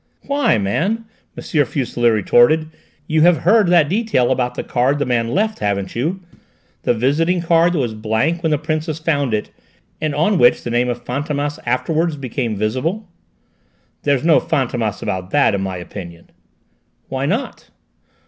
"Why, man," M. Fuselier retorted, "you have heard that detail about the card the man left, haven't you? the visiting card that was blank when the Princess found it, and on which the name of Fantômas afterwards became visible?" "There's no Fantômas about that, in my opinion." "Why not?"